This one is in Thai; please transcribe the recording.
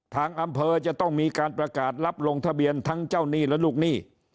ทางอำเภอจะต้องมีการประกาศรับลงทะเบียนทั้งเจ้าหนี้และลูกหนี้